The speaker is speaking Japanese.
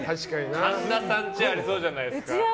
神田さんちはありそうじゃないですか。